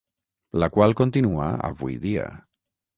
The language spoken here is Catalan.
La qual continua avui dia.